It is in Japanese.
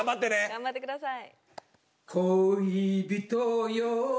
頑張ってください。